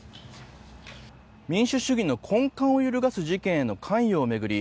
民主主義の根幹を揺るがす事件への関与を巡り